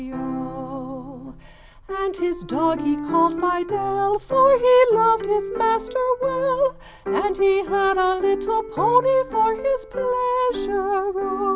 ] 2 And his dog he called Fidelle, For he loved his master well; And he had a little pony for his pleasure O!